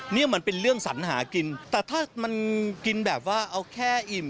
นี่มันเป็นเรื่องสัญหากินแต่ถ้ามันกินแบบว่าเอาแค่อิ่ม